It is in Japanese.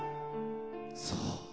そう。